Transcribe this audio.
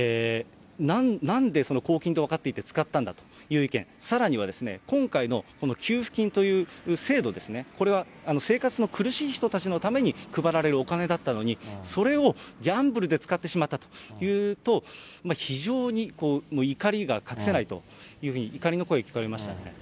なんで、公金と分かっていて使ったんだという意見、さらには今回のこの給付金という制度ですね、これは生活の苦しい人たちのために配られるお金だったのに、それをギャンブルで使ってしまったというと、非常に怒りが隠せないというふうに、怒りの声、聞かれました。